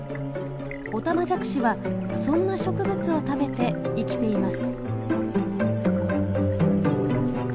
オタマジャクシはそんな植物を食べて生きています。